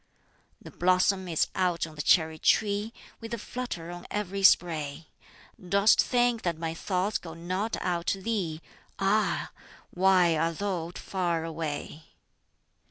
"The blossom is out on the cherry tree, With a flutter on every spray. Dost think that my thoughts go not out to thee? Ah, why art thou far away!"